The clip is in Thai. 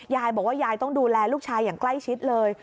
ยายบอกว่ายายต้องดูแลลูกชายอย่างใกล้ชิดเลย